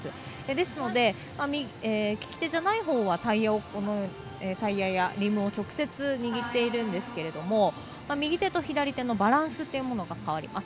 ですので、利き手じゃないほうはタイヤやリムを直接握っているんですけれども右手と左手のバランスというものが変わります。